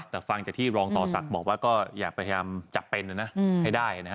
แต่ฟังจากที่รองต่อศักดิ์บอกว่าก็อยากพยายามจับเป็นนะให้ได้นะฮะ